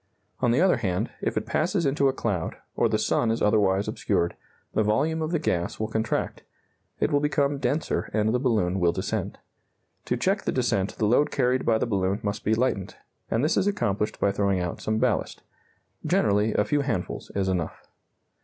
On the other hand, if it passes into a cloud, or the sun is otherwise obscured, the volume of the gas will contract; it will become denser, and the balloon will descend. To check the descent the load carried by the balloon must be lightened, and this is accomplished by throwing out some ballast; generally, a few handfuls is enough.